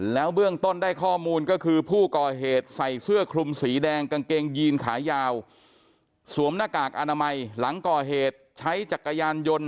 แล้วเบื้องต้นได้ข้อมูลก็คือผู้ก่อเหตุใส่เสื้อคลุมสีแดงกางเกงยีนขายาวสวมหน้ากากอนามัยหลังก่อเหตุใช้จักรยานยนต์